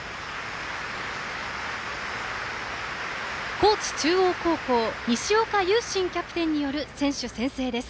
高知中央高校西岡悠慎キャプテンによる選手宣誓です。